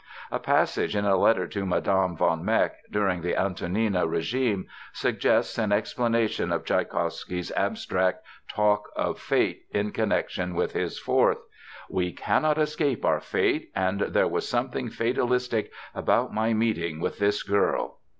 A passage in a letter to Mme. von Meck, during the Antonina regime, suggests an explanation of Tschaikowsky's abstract talk of Fate in connection with his Fourth: "We cannot escape our fate, and there was something fatalistic about my meeting with this girl."